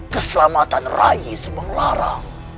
keselamatan rai sumbanglarang